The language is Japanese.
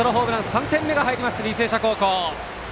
３点目が入ります、履正社高校。